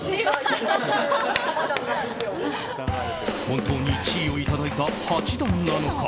本当に地位をいただいた八段なのか。